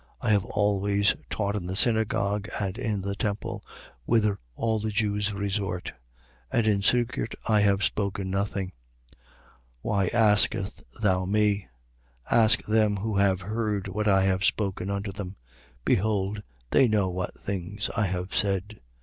I have always taught in the synagogue and in the temple, whither all the Jews resort: and in secret I have spoken nothing. 18:21. Why askest thou me? Ask them who have heard what I have spoken unto them. Behold they know what things I have said.